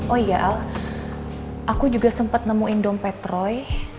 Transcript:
oh iya al aku juga sempat nemuin dompet roy